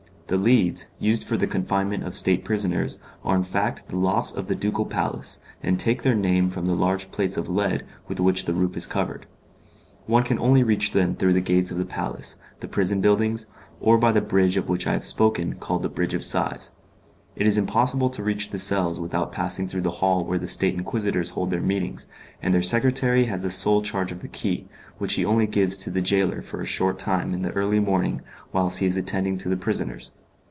The Leads, used for the confinement of state prisoners, are in fact the lofts of the ducal palace, and take their name from the large plates of lead with which the roof is covered. One can only reach them through the gates of the palace, the prison buildings, or by the bridge of which I have spoken called the Bridge of Sighs. It is impossible to reach the cells without passing through the hall where the State Inquisitors hold their meetings, and their secretary has the sole charge of the key, which he only gives to the gaoler for a short time in the early morning whilst he is attending to the prisoners.